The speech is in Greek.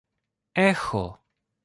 Έχω!